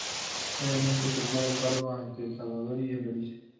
Previamente ocupó el cargo ante El Salvador y en Belice.